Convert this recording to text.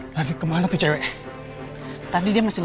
padahal kan tujuan gue tuh